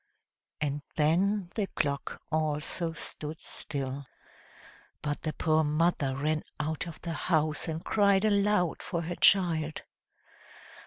and then the clock also stood still. But the poor mother ran out of the house and cried aloud for her child.